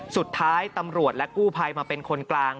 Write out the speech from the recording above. สุดท้ายตำรวจและกู้ภัยมาเป็นคนกลาง